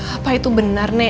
apa itu benar nek